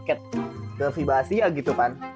ke vibasia gitu kan